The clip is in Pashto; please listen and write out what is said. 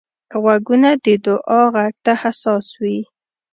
غوږونه د دعا غږ ته حساس وي